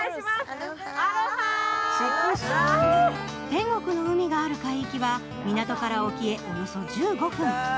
天国の海がある海域は港から沖へおよそ１５分。